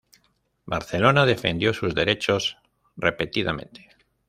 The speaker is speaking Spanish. Barcelona defendió sus derechos repetidamente.